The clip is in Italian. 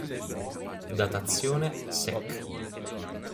Datazione: sec.